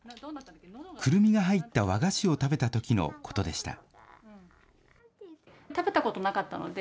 くるみが入った和菓子を食べたときのことでした。